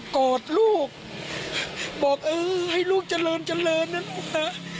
อดลูกบอกเออให้ลูกเจริญเจริญนะลูกนะ